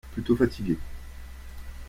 Plutôt fatigué.